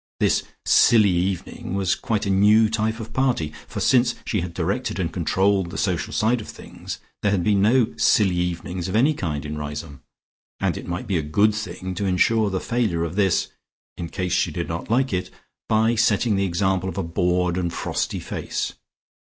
The "silly evening" was quite a new type of party, for since she had directed and controlled the social side of things there had been no "silly evenings" of any kind in Riseholme, and it might be a good thing to ensure the failure of this (in case she did not like it) by setting the example of a bored and frosty face.